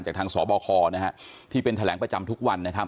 จากทางสบคที่เป็นทะแหลงประจำทุกวัน